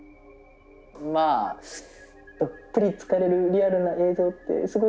まあどっぷりつかれるリアルな映像ってすごいよね！